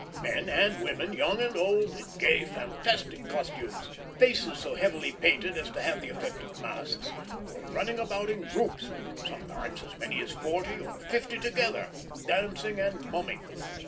Men and women, young and old, in gay, fantastic costumes, faces so heavily painted as to have the effect of masks, were running about in groups, sometimes as many as forty or fifty together, dancing and mumming.